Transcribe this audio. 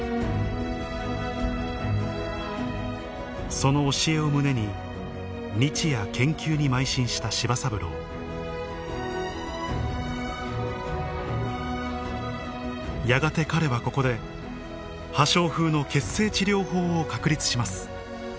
その教えを胸に日夜研究に邁進した柴三郎やがて彼はここで破傷風の血清治療法を確立します